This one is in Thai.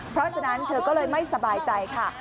เพราะฉะนั้นเธอก็เลยไม่สบายใจค่ะ